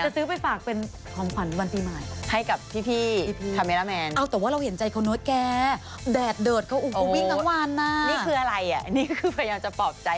คือพยายามจะปลอบใจหรือกลัวอะไร